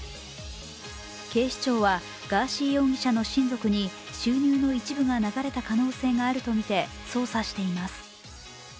警視庁はガーシー容疑者の親族に収入の一部が流れた可能性があるとみて捜査しています。